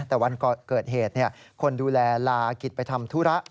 แต่วันเกิดเหตุคนดูแลลากิจไปทำธุระ